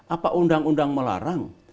apa undang undang melarang